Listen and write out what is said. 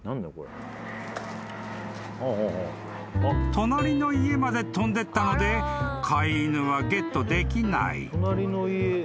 ［隣の家まで飛んでったので飼い犬はゲットできない］